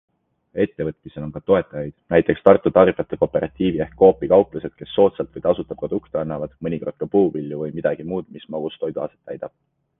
Ettevõtmisel on ka toetajaid - näiteks Tartu tarbijate kooperatiivi ehk Coopi kauplused, kes soodsalt või tasuta produkte annavad, mõnikord ka puuvilju või midagi muud, mis magustoidu aset täidab.